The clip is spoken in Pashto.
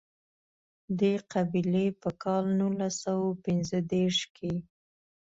دې قبیلې په کال نولس سوه پېنځه دېرش کې.